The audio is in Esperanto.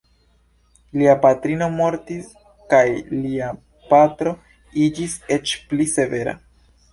Lia patrino mortis kaj lia patro iĝis eĉ pli severa.